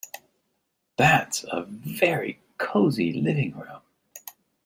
That's a very cosy living room